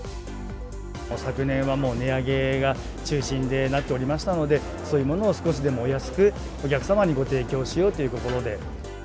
昨年はもう値上げが中心でなっておりましたので、そういうものを少しでもお安く、お客様にご提供しようというところで。